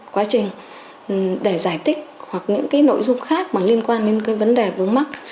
quá trình để giải thích hoặc những nội dung khác liên quan đến vấn đề vướng mắt